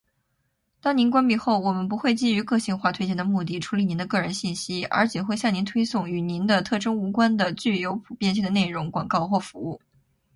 当您关闭后，我们不会基于个性化推荐的目的处理您的个人信息，而仅会向您推送与您的特征无关的、具有普遍性的内容、广告或服务。